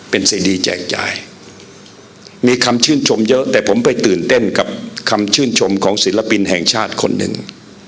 เป็นสิ่งดีแจกจ่ายมีคำชื่นชมเยอะแต่ผมไปตื่นเต้นกับคำชื่นชมของศิลปินแห่งชาติคนหนึ่ง